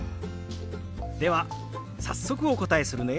では早速お答えするね。